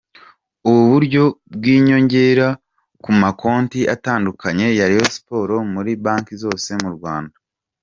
Ubu buryo bwiyongera ku makonti atandukanye ya Rayon Sports muri banki zose mu Rwanda.